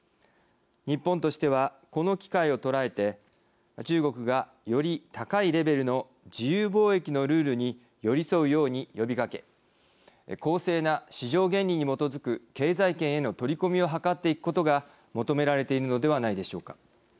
日本としては、この機会を捉えて中国が、より高いレベルの自由貿易のルールに寄り添うように呼びかけ公正な市場原理に基づく経済圏への取り込みを図っていくことが求められているのではないでしょうか。